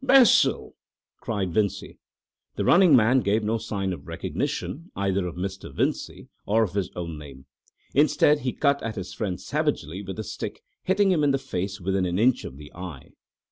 "Bessel!" cried Vincey. The running man gave no sign of recognition either of Mr. Vincey or of his own name. Instead, he cut at his friend savagely with the stick, hitting him in the face within an inch of the eye. Mr.